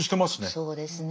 そうですね。